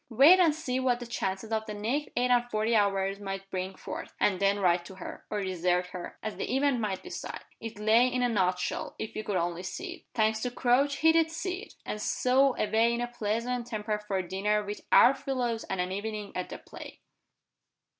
Wait and see what the chances of the next eight and forty hours might bring forth, and then write to her, or desert her, as the event might decide. It lay in a nut shell, if you could only see it. Thanks to Crouch, he did see it and so away in a pleasant temper for a dinner with "our fellows" and an evening at the play!